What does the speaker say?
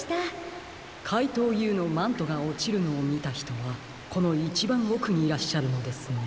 かいとうＵのマントがおちるのをみたひとはこのいちばんおくにいらっしゃるのですね？